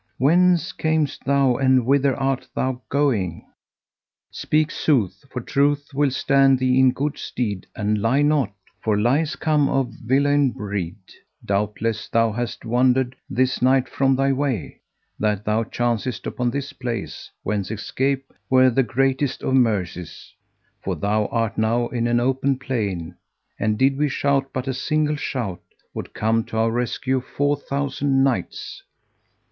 Whence camest thou and whither art thou going? Speak sooth, for truth will stand thee in good stead, and lie not, for lies come of villein breed Doubtless thou hast wandered this night from thy way, that thou chancedst upon this place whence escape were the greatest of mercies; for thou art now in an open plain and, did we shout but a single shout, would come to our rescue four thousand knights.